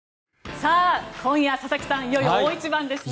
今夜、佐々木さんいよいよ大一番ですね。